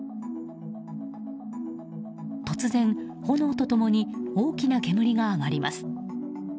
突然、炎と共に大きな煙が上がります。